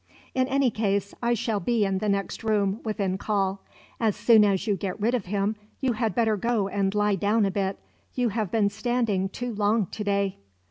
"In any case, I shall be in the next room, within call. As soon as you get rid of him you had better go and lie down a bit. You have been standing too long to day."